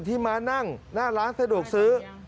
มานั่งหน้าร้านสะดวกซื้อ